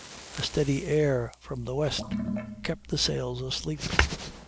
A steady air from the west kept the sails asleep.